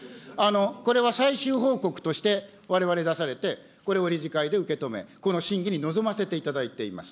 これは最終報告として、われわれ出されて、これを理事会で受け止め、この審議に臨ませていただいています。